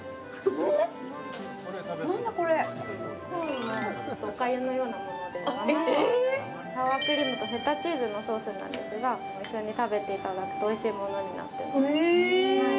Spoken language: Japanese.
コーンのお粥のようなものでサワークリームとフェタチーズのソースなんですが一緒に食べていただくとおいしいものになってます